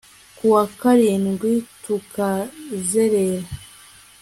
Ku wa karindwi tukazerera